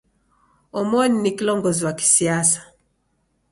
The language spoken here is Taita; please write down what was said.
Omoni ni kilongozi wa kisiasa.